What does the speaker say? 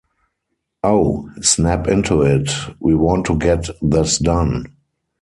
Oh, snap into it! We want to get this done.